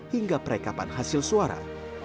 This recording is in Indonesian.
hingga perekapan hasil suara